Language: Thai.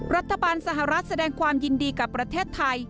รัฐบาลสหรัฐแสดงความยินดีกับประเทศไทย